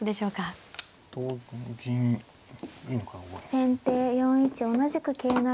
先手４一同じく桂成。